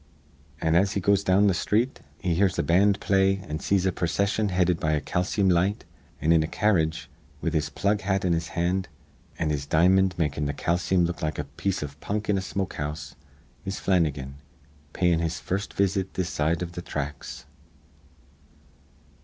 "An', as he goes down th' sthreet, he hears a band play an' sees a procission headed be a calceem light; an', in a carredge, with his plug hat in his hand an' his di'mond makin' th' calceem look like a piece iv punk in a smokehouse, is Flannigan, payin' his first visit this side iv th' thracks."